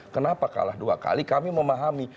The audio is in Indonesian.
kenapa kalah dua kali kami memahami